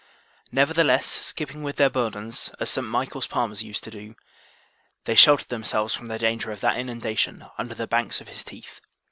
Nevertheless, skipping with their bourdons, as St. Michael's palmers use to do, they sheltered themselves from the danger of that inundation under the banks of his teeth.